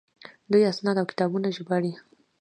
دوی اسناد او کتابونه ژباړي.